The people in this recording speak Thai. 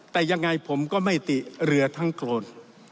แต่ยังไงผมก็ไม่ติเรือทั้งโครน